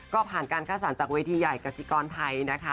ก็ผ่านการคัดสรรจากเวทีใหญ่กสิกรไทยนะคะ